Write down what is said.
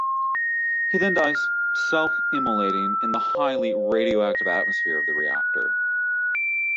He then dies, self immolating in the highly radioactive atmosphere of the reactor.